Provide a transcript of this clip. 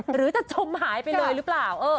หรือจะจมหายไปเลยหรือเปล่า